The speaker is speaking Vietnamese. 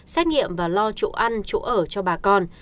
xét nghiệm và lo chỗ ăn chỗ ở cho bà con